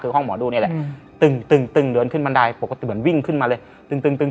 คือห้องหมอดูนี่แหละตึงเหลินขึ้นบันไดปกติเหมือนวิ่งขึ้นมาเลย